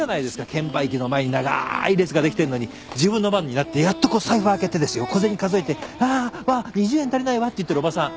券売機の前に長い列ができてんのに自分の番になってやっとこう財布開けてですよ小銭数えて「わあー２０円足りないわ」って言ってるおばさん。